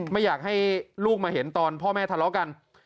ไม่อยากให้ลูกมาเห็นตอนพ่อแม่ทะเลาะกัน